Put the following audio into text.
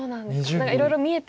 何かいろいろ見えてしまって。